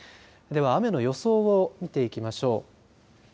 では、雨の予想を見ていきましょう。